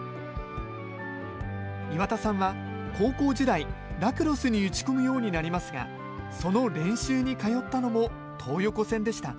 岩田さんは、高校時代ラクロスに打ち込むようになりますがその練習に通ったのも東横線でした。